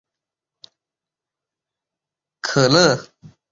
瑟丰德。